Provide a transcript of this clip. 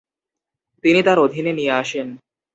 তিনি তার অধীনে নিয়ে আসেন।